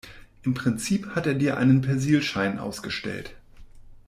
Im Prinzip hat er dir einen Persilschein ausgestellt.